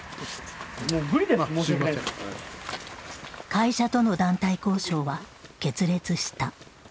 会社との団体交渉は決裂した。